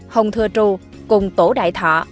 hồng thừa trô cùng tổ đại thọ